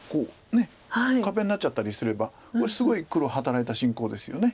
壁になっちゃったりすればこれすごい黒働いた進行ですよね。